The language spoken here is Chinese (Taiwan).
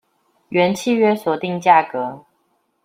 原契約所定價格